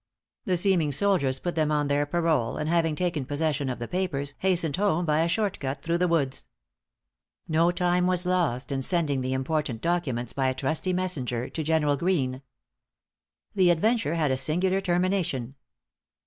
The seeming soldiers put them on their parole, and having taken possession of the papers, hastened home by a short cut through the woods. No time was lost in sending the important documents by a trusty messenger to General Greene. The adventure had a singular termination.